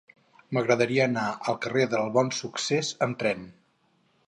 M'agradaria anar al carrer del Bonsuccés amb tren.